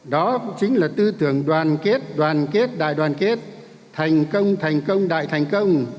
đó cũng chính là tư tưởng đoàn kết đoàn kết đại đoàn kết thành công thành công đại thành công